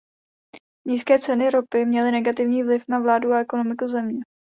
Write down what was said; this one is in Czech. Nízké ceny ropy měly negativní vliv na vládu a ekonomiku země.